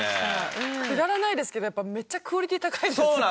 くだらないですけどやっぱめっちゃクオリティー高いですね。